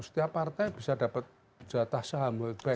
setiap partai bisa dapat jatah saham world bank